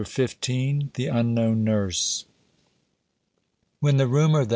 CHAPTER XV. THE UNKNOWN NURSE. When the rumor that M.